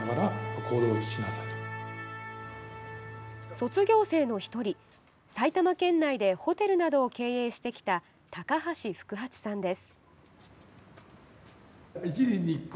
卒業生の１人、埼玉県内でホテルなどを経営してきた高橋福八さんです。